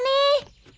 utarin susah hisi